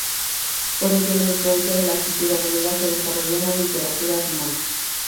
Por ello, la influencia de la cultura griega se desarrolló en la literatura rumana.